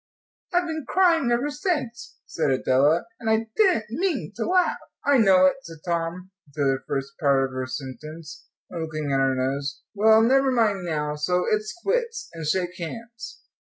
"I've been crying ever since," said Adela, "and I didn't mean to laugh." "I know it," said Tom to the first part of her sentence, and looking at her nose. "Well, never mind now, so it's quits, and shake hands."